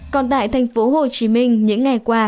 còn tại thành phố hồ chí minh những ngày qua